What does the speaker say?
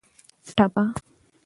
ټپه